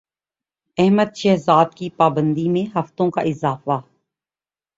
احمد شہزاد کی پابندی میں ہفتوں کا اضافہ